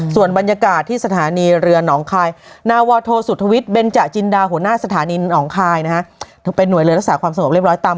ส่วนบรรยากาศที่สถานีเรือนหนองคลาย